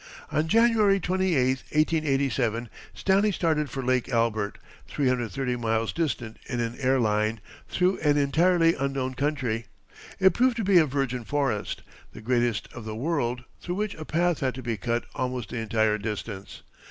On January 28, 1887, Stanley started for Lake Albert, 330 miles distant in an air line, through an entirely unknown country. It proved to be a virgin forest, the greatest of the world, through which a path had to be cut almost the entire distance.